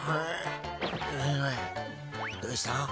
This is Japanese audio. どうした？